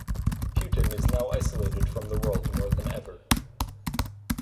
Putin is now isolated from the world more than ever.